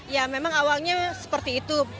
ya memang awalnya seperti itu